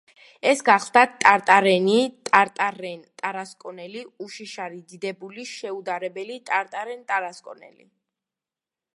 "ეს გახლდათ ტარტარენი, ტარტარენ ტარასკონელი, უშიშარი, დიდებული, შეუდა-რებელი ტარტარენ ტარასკონელი."